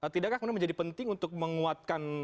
tidakkah kemudian menjadi penting untuk menguatkan